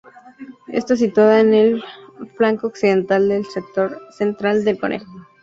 Está situada en el flanco occidental del sector central del concejo.